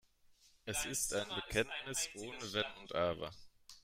Es ist ein Bekenntnis ohne Wenn und Aber.